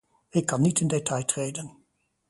Ik kan niet in detail treden.